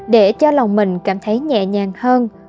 để cho lòng mình cảm thấy nhẹ nhàng hơn